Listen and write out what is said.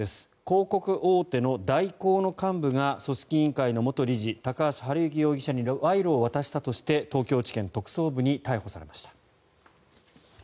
広告大手の大広の幹部が組織委員会の元理事高橋治之容疑者に賄賂を渡したとして東京地検特捜部に逮捕されました。